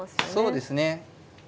そうですね。